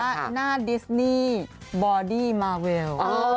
เขาบอกว่าหน้าดิสนี่บอดี้มาเวล